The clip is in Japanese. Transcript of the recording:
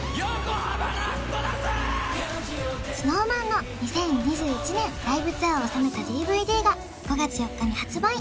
ＳｎｏｗＭａｎの２０２１年ライブツアーを収めたＤＶＤが５月４日に発売